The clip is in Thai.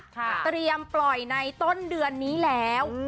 เตรียมปล่อยในต้นเดือนนี้แล้ว